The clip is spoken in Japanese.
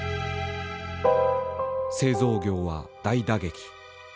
製造業は大打撃。